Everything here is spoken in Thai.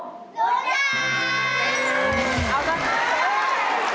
รู้จัก